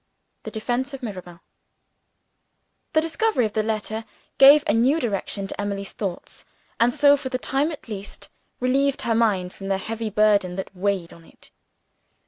THE DEFENSE OF MIRABEL. The discovery of the letter gave a new direction to Emily's thoughts and so, for the time at least, relieved her mind from the burden that weighed on it.